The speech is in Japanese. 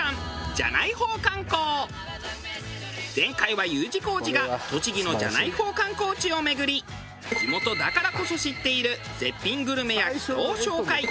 前回はＵ字工事が栃木のじゃない方観光地を巡り地元だからこそ知っている絶品グルメや秘湯を紹介。